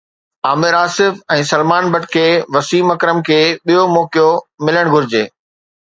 عامر آصف ۽ سلمان بٽ کي وسيم اڪرم کي ٻيو موقعو ملڻ گهرجي